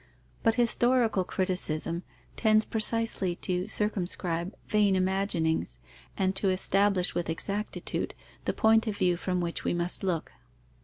But historical criticism tends precisely to circumscribe vain imaginings and to establish with exactitude the point of view from which we must look.